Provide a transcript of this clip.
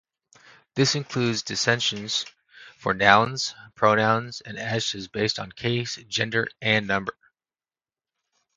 This included declensions for nouns, pronouns, and adjectives based on case, gender, and number.